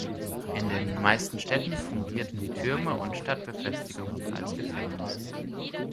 In den meisten Städten fungierten die Türme und Stadtbefestigungen als Gefängnisse.